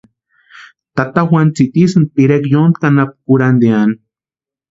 Tata Juanu tsitisïnti pirekwa yóntki anapu kurhantiani.